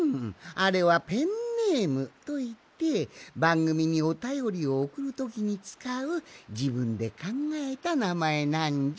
あれはペンネームといってばんぐみにおたよりをおくるときにつかうじぶんでかんがえたなまえなんじゃ。